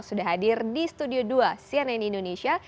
sudah hadir di studio dua cnn indonesia